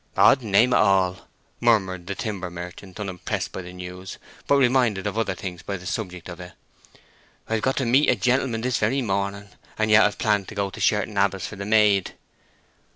"'Od name it all," murmured the timber merchant, unimpressed by the news, but reminded of other things by the subject of it; "I've got to meet a gentleman this very morning? and yet I've planned to go to Sherton Abbas for the maid."